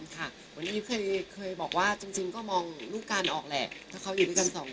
ค่ะวันนี้อีฟเคยบอกว่าจริงก็มองรูปการออกแหละถ้าเขาอยู่ด้วยกันสองคน